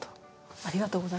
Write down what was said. ありがとうございます。